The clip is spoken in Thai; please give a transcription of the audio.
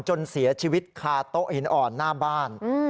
จนเสียชีวิตคาโต๊ะหินอ่อนหน้าบ้าน